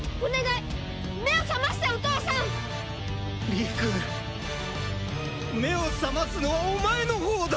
理玖目を覚ますのはお前のほうだ！